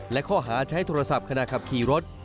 และข้อหาใช้โทรศัพท์ขณะขับขี่รถ